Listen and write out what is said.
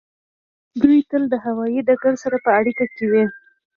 دوی تل د هوایی ډګر سره په اړیکه کې وي